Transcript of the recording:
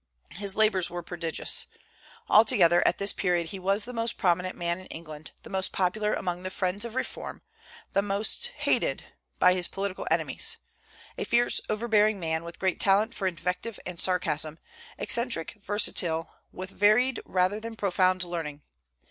His labors were prodigious. Altogether, at this period he was the most prominent man in England, the most popular among the friends of reform, and the most hated by his political enemies, a fierce, overbearing man, with great talent for invective and sarcasm, eccentric, versatile, with varied rather than profound learning.